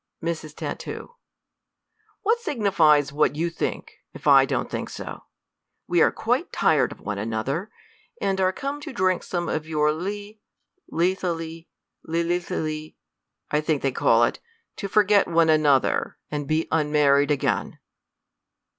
Mrs. Tat. What signifies what you think, if I don't think so ? We are quite tired of one another, and ai'e come to drink some of yoiu* le — lethaly — le lethily, 1 think they call it, to forget one another, and be unmar ried again.